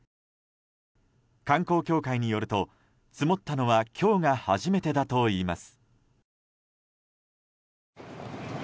観光協会によると積もったのは今日が初めてだといいます。